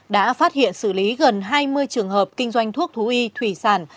đã phát hiện xử lý gần hai mươi trường hợp kinh doanh thuốc thú y thủy sản